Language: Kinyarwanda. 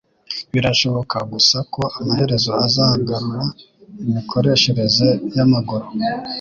Birashoboka gusa ko amaherezo azagarura imikoreshereze yamaguru